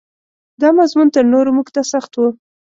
دا مضمون تر نورو موږ ته سخت و.